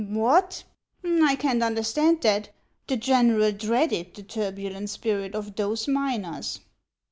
" What ! I can't understand that ; the general dreaded the turbulent spirit of those miners."